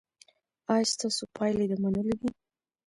ایا ستاسو پایلې د منلو دي؟